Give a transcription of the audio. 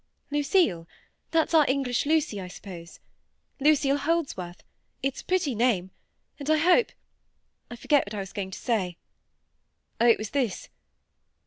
"Lucille—that's our English Lucy, I suppose? Lucille Holdsworth! It's a pretty name; and I hope—I forget what I was going to say. Oh! it was this.